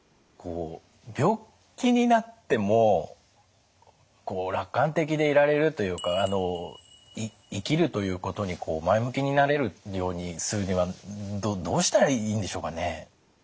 病気になっても楽観的でいられるというか生きるということに前向きになれるようにするにはどうしたらいいんでしょうかね？